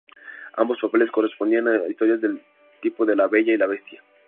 Ambos papeles correspondían a historias del tipo de La bella y la bestia.